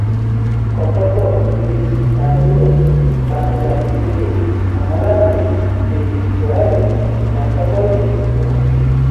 କଟକ, ପୁରୀ, ଯାଜପୁର ବାସିନ୍ଦା ବିଦେଶୀ ଅମଲାମାନେ ସେହି ପଡ଼ାରେ ବସା କରି ରହନ୍ତି ।